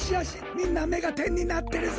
みんなめがてんになってるぞ！